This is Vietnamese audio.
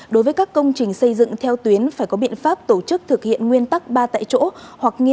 đối với các công trình xây dựng theo tuyến phải có biện pháp tổ chức thực hiện nguyên tắc ba tại chỗ